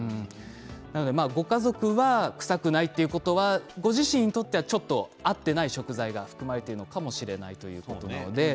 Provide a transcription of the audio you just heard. ご家族は臭くないということはご自身にとってはちょっと合っていない食材が含まれているのかもしれないということなんですね。